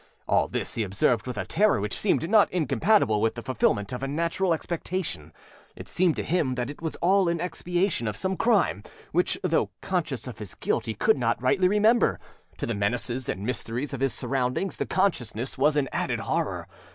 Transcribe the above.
All this he observed with a terror which seemed not incompatible with the fulfillment of a natural expectation. It seemed to him that it was all in expiation of some crime which, though conscious of his guilt, he could not rightly remember. To the menaces and mysteries of his surroundings the consciousness was an added horror.